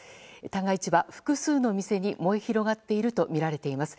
旦過市場、複数の店に燃え広がっているとみられています。